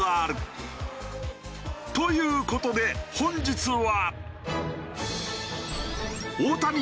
という事で本日は。